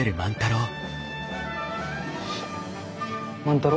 万太郎？